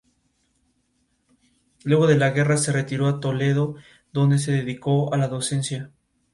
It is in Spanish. Al revelar su fotografía, se siente muy mal.